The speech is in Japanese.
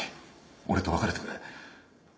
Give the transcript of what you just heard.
俺と別れてくれ。